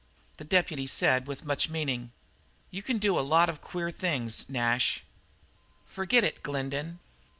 The deputy said with much meaning: "You can do a lot of queer things, Nash." "Forget it, Glendin."